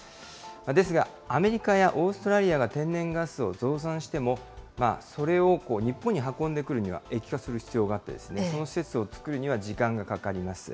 ですが、アメリカやオーストラリアが天然ガスを増産しても、それを日本に運んでくるには液化する必要があって、その施設を造るには時間がかかります。